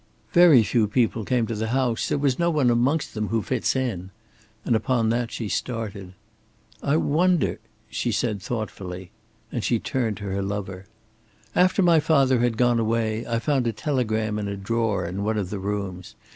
"Very few people came to the house. There was no one amongst them who fits in"; and upon that she started. "I wonder " she said, thoughtfully, and she turned to her lover. "After my father had gone away, I found a telegram in a drawer in one of the rooms.